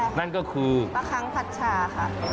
ใช่นั่นก็คือประคังผัดชาค่ะ